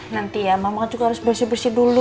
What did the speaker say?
nanti ya mama juga harus bersih bersih dulu